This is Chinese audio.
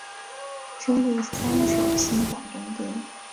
收录三首新广东歌。